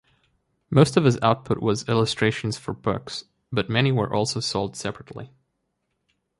Most of his output was illustrations for books, but many were also sold separately.